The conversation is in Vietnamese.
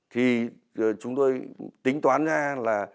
thì chúng tôi tính toán ra là